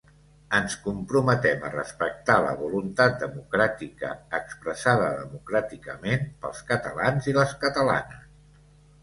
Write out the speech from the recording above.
Ens comprometem a respectar la voluntat democràtica expressada democràticament pels catalans i les catalanes.